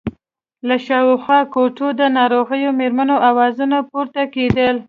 له شاوخوا کوټو د ناروغو مېرمنو آوازونه پورته کېدل.